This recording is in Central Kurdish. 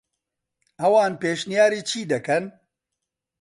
ئەوان پێشنیاری چی دەکەن؟